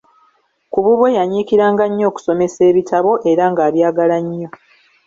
Ku bubwe yanyiikiranga nnyo okusoma ebitabo era ng'abyagala nnyo.